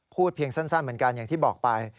เพียงสั้นเหมือนกันอย่างที่บอกไป